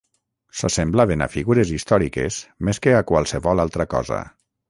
S'assemblaven a figures històriques més que a qualsevol altra cosa.